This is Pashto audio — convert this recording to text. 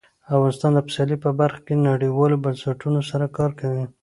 افغانستان د پسرلی په برخه کې نړیوالو بنسټونو سره کار کوي.